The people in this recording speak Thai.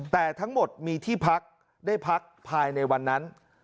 แต่ทั้งหมดมีที่พักได้พักภายในวันนั้น